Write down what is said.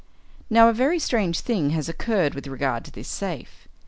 "Now a very strange thing has occurred with regard to this safe.